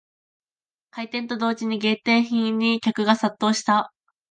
開店と同時に限定品に客が殺到した